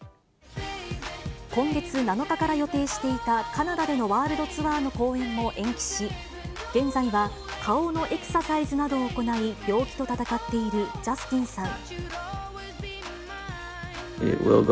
今月７日から予定していたカナダでのワールドツアーの公演を延期し、現在は、顔のエクササイズなどを行い、病気と闘っているジャスティンさん。